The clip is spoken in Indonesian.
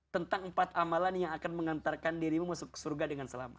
tentang empat amalan yang akan mengantarkan dirimu masuk ke surga dengan selamat